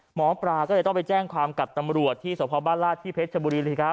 หมอปลาก็เลยต้องไปแจ้งความกับตำรวจที่สพบ้านราชที่เพชรชบุรีเลยครับ